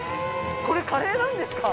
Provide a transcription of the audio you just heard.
これカレーなんですか？